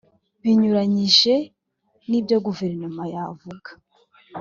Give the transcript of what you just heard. binyuranije nibyo guverinoma yavugaga.